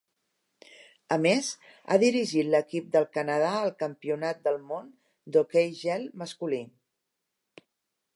A més, ha dirigit l'equip del Canadà al Campionat del Món d'hoquei gel masculí.